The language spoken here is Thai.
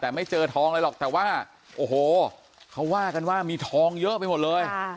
แต่ไม่เจอทองอะไรหรอกแต่ว่าโอ้โหเขาว่ากันว่ามีทองเยอะไปหมดเลย